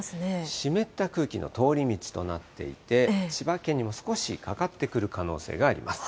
湿った空気の通り道となっていて、千葉県にも少しかかってくる可能性があります。